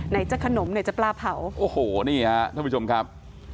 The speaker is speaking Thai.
ไหนจะขนมไหนจะปลาเผาโอ้โหนี่ฮะท่านผู้ชมครับ